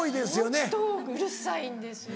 ホントうるさいんですよ